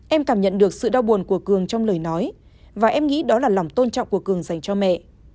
em cảm nhận được sự đau buồn của cường trong lời nói và em nghĩ đó là lòng tôn trọng của cường dành cho mẹ